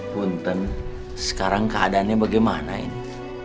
punten sekarang keadaannya bagaimana ini